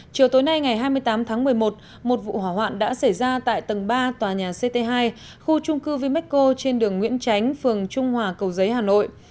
chiều tối nay ngày hai mươi tám tháng một mươi một một vụ hỏa hoạn đã xảy ra tại tầng ba tòa nhà ct hai khu trung cư vimecco trên đường nguyễn tránh phường trung hòa cầu giấy hà nội